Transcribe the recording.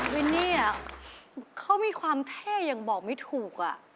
วินนี่เขามีความเท่อย่างบอกไม่ถูก